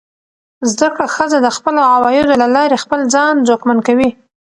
زده کړه ښځه د خپلو عوایدو له لارې خپل ځان ځواکمن کوي.